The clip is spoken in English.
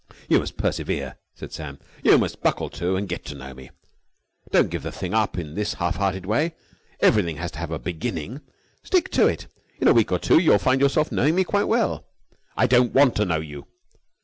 "You must persevere," said Sam. "You must buckle to and get to know me. Don't give the thing up in this half hearted way. Everything has to have a beginning. Stick to it, and in a week or two you will find yourself knowing me quite well." "I don't want to know you!"